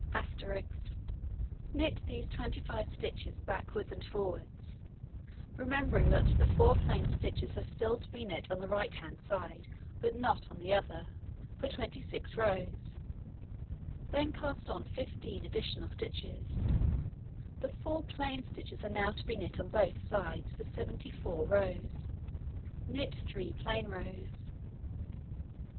*Knit these 25 stitches backwards and forwards (remembering that the 4 plain stitches are still to be knit on the right hand side, but not on the other) for 26 rows; then cast on 15 additional stitches; the 4 plain stitches are now to be knit on both sides for 74 rows. Knit 3 plain rows.